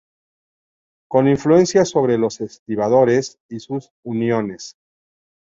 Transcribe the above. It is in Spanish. Con influencia sobre los estibadores y sus uniones.